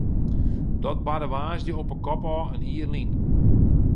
Dat barde woansdei op 'e kop ôf in jier lyn.